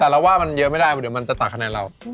แต่เราว่ามันเยอะไม่ได้เดี๋ยวมันจะตัดคะแนนเรา